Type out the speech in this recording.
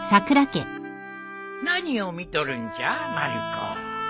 何を見とるんじゃまる子？